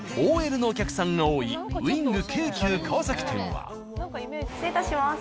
ＯＬのお客さんが多い失礼いたします。